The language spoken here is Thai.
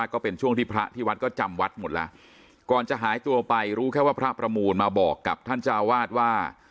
ก็แค่ว่าพระประมูลมาบอกกับท่านจ้าวาดว่า